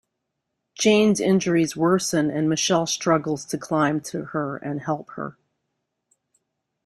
Jane's injuries worsen and Michelle struggles to climb to her and help her.